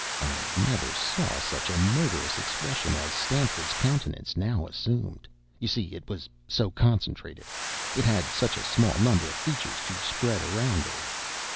I never saw such a murderous expression as Stanford's countenance now assumed; you see it was so concentrated it had such a small number of features to spread around over.